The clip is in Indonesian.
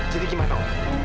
jadi gimana om